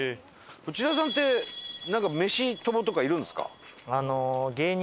内田さんってメシ友とかいるんですか？